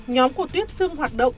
nhóm của tuyết xương hoạt động